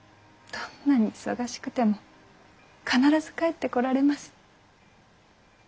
どんなに忙しくても必ず帰ってこられます。